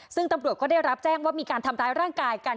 ซึ่งตำรวจก็ได้รับแจ้งว่ามีการทำร้ายร่างกายกัน